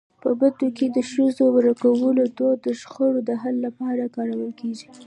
په بدو کي د ښځو ورکولو دود د شخړو د حل لپاره کارول کيږي.